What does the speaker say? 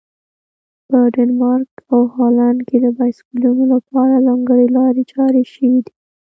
په ډنمارک او هالند کې د بایسکلونو لپاره ځانګړي لارې چارې شوي دي.